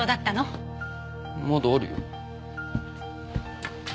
まだあるよ。